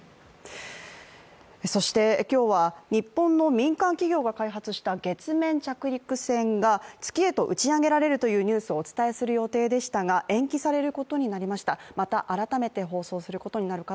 そして、今日は日本の民間企業が開発した月面着陸船が月へと打ち上げられるというニュースをお伝えする予定でしたが、ここからは「ｎｅｗｓｔｏｒｉｅｓ」です。